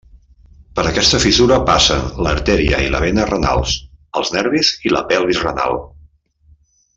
Per aquesta fissura passen l'artèria i la vena renals, els nervis i la pelvis renal.